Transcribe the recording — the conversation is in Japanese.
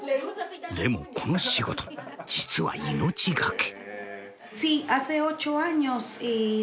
でもこの仕事実は命がけ。